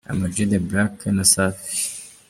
Ama G The black na Safi .